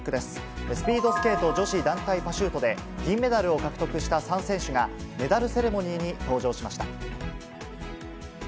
スピードスケート女子団体パシュートで、銀メダルを獲得した３選手が、メダルセレモニーに登場しました。